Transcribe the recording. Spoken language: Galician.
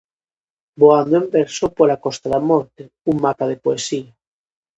Voando en verso pola Costa da Morte: un mapa de poesía.